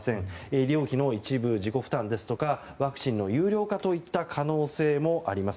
医療費の一部自己負担ですとかワクチンの有料化の可能性もあります。